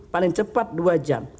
paling cepat dua jam